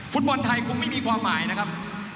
ฟุตบอลไทยคงไม่มีความหมายนะครับ